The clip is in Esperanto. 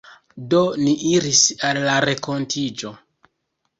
Do, ni iris al la renkontiĝo.